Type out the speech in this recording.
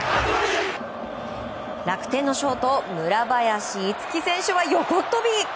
楽天のショート、村林一輝選手は横っ飛び！